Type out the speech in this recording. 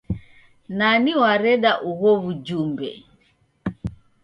Nani wareda ugho w'ujumbe?